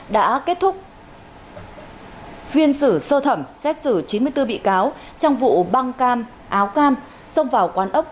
đã kết thúc phiên xử sơ thẩm xét xử chín mươi bốn bị cáo trong vụ băng cam áo cam xông vào quán ốc